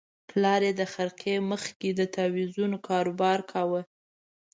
پلار یې د خرقې مخ کې د تاویزونو کاروبار کاوه.